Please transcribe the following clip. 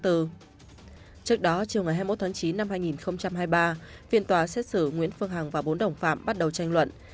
trước đó chiều ngày hai mươi một tháng chín năm hai nghìn hai mươi ba phiên tòa xét xử nguyễn phương hằng và bốn đồng phạm bắt đầu tranh luận